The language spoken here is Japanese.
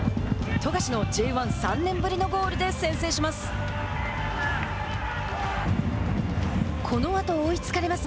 富樫のＪ１３年ぶりのゴールで先制します。